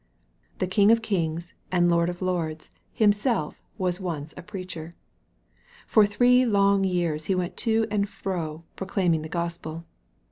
The King of kings and Lord of lords Himself was once a preacher. For three long years He went to and fro proclaiming the Gospel.